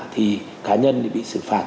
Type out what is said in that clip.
thì cá nhân bị xử phạt